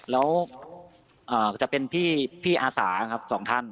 แล้วจะเป็นพี่อาสาครับสองท่าน